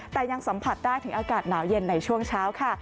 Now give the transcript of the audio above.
แต่ยังสัมผัสได้ถึงอากาศหนาวเย็นในช่วงเช้าค่ะ